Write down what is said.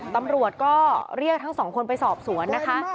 ตำรวจก็เรียกทั้งสองคนไปสอบสวนนะคะ